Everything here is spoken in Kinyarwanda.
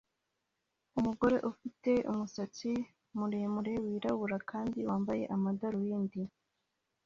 Umugore ufite umusatsi muremure wirabura kandi wambaye amadarubindi